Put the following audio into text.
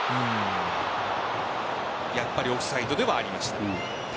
やっぱりオフサイドではありました。